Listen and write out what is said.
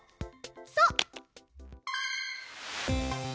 そう！